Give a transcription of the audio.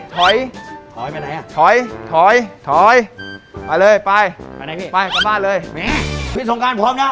ถอยถอยไปไหนอ่ะถอยถอยถอยถอยไปเลยไปไปไหนพี่ไปกลับบ้านเลยแม่พี่สงการพร้อมนะ